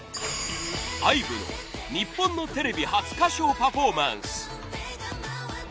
ＩＶＥの日本のテレビ初歌唱パフォーマンス。